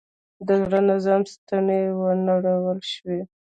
د زاړه نظام ستنې ونړول شوې.